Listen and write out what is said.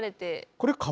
これ。